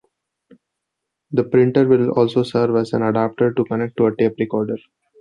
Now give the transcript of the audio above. The printer will also serve as an adapter to connect to a tape recorder.